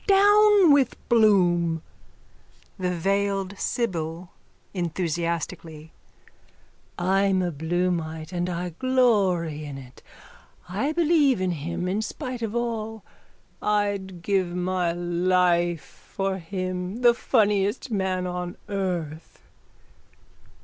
Down with Bloom! THE VEILED SIBYL: I'm a Bloomite and I glory in it. I believe in him in spite of all. I'd give my life for him, the funniest man on earth.